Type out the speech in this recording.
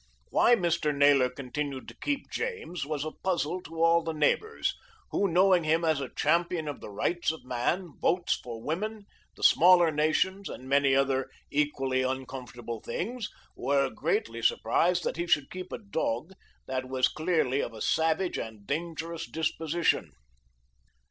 Why Mr. Naylor continued to keep James was a puzzle to all the neighbours, who, knowing him as a champion of the rights of man, votes for women, the smaller nations, and many other equally uncomfortable things, were greatly surprised that he should keep a dog that was clearly of a savage and dangerous disposition.